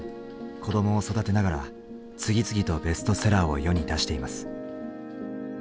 子どもを育てながら次々とベストセラーを世に出しています。